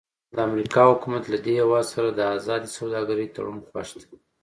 د امریکا حکومت له دې هېواد سره د ازادې سوداګرۍ تړون خوښ دی.